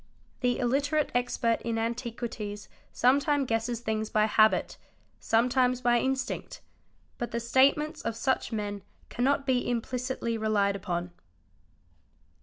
The illite rate expert in antiquities sometime guesses things by habit, sometimes by instinct. But the statements of such men cannot be implicitly relied upon.